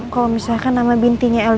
kalau misalkan nama bintinya eli